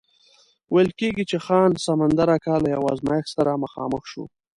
ویل کېږي چې خان سمندر اکا له یو ازمایښت سره مخامخ شو.